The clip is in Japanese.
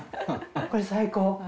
これ最高！